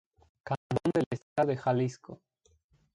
Cantón del Estado de Jalisco.